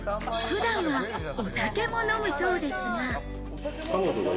普段はお酒も飲むそうですが。